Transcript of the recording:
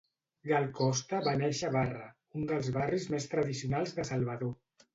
Gal Costa va néixer a Barra, un dels barris més tradicionals de Salvador.